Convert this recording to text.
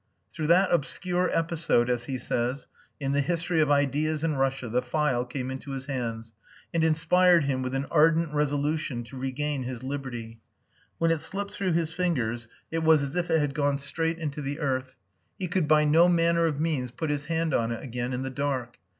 Through that obscure episode, as he says, in the history of ideas in Russia, the file came into his hands, and inspired him with an ardent resolution to regain his liberty. When it slipped through his fingers it was as if it had gone straight into the earth. He could by no manner of means put his hand on it again in the dark.